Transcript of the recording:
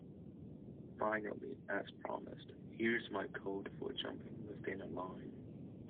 Finally, as promised, here is my code for jumping within a line.